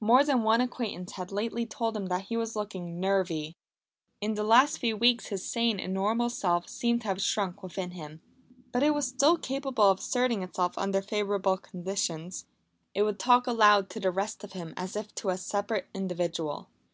More than one acquaintance had lately told him that he was looking "nervy." In the last few weeks his sane and normal self seemed to have shrunk within him. But it was still capable of asserting itself under favourable conditions. It would talk aloud to the rest of him as if to a separate individual.